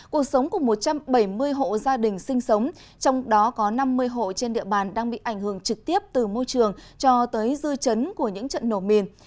cuộc sống của một trăm bảy mươi hộ gia đình sinh sống trong đó có năm mươi hộ trên địa bàn đang bị ảnh hưởng trực tiếp từ môi trường cho tới dư chấn của những trận nổ mìn